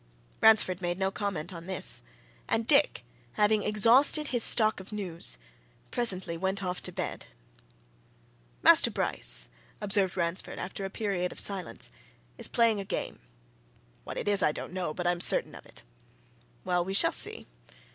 Ransford made no comment on this, and Dick, having exhausted his stock of news, presently went off to bed. "Master Bryce," observed Ransford, after a period of silence, "is playing a game! What it is, I don't know but I'm certain of it. Well, we shall see!